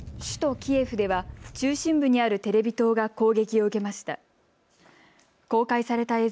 首都キエフでは中心部にあるテレビ塔が攻撃を受けました。